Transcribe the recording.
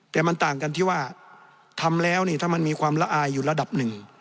แต่มันต่างกันที่ว่าทำแล้วนี่ถ้ามันมีความละอายอยู่ระดับหนึ่ง